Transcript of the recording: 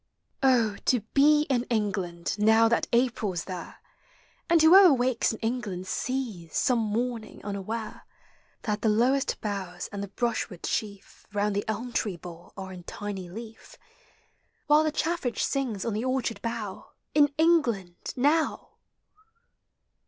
Oh to be in England now thai April's there And whoever wakes in England sees, some morn ing, unaware, That the lowest boughs and the brushwood Bheal Round the elm tree bole are in tiny leaf, While the chaffinch sings on the orchard bongo In England— now